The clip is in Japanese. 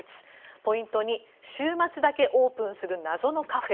ポイント２週末だけオープンする謎のカフェ